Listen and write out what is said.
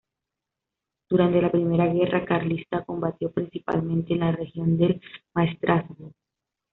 Durante la primera guerra carlista combatió principalmente en la región del Maestrazgo.